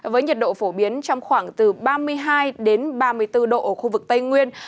với nhiệt độ phổ biến trong khoảng từ ba mươi hai ba mươi bốn độ ở khu vực tây nguyên